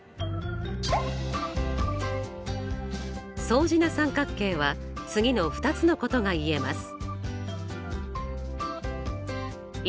相似な三角形は次の２つのことが言えます。